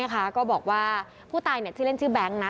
ก็บอกว่าผู้ตายชื่อเล่นชื่อแบงค์นะ